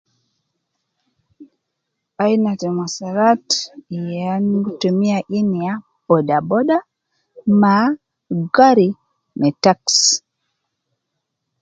Aina ta muwasalat yan gi tumiya inya boda boda ma gari me taxi